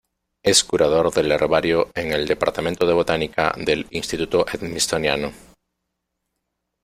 Es curador del herbario en el Departamento de Botánica del Instituto Smithsoniano.